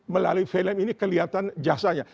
melalui film ini kelihatan jasanya